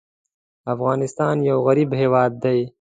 افغانستان یو غریب هېواد دی.